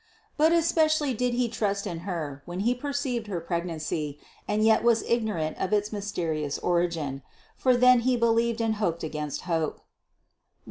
But especially did he trust in Her when he perceived her pregnancy 590 CITY OF GOD and yet was ignorant of its mysterious origin; for then he believed and hoped against hope (Rom.